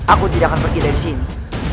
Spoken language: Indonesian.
aku tidak akan pergi dari sini